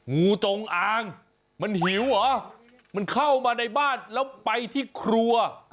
งูจงอางมันหิวเหรอมันเข้ามาในบ้านแล้วไปที่ครัว